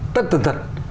tất tần tật